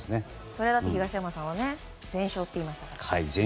それだと東山さんは全勝と言いましたから。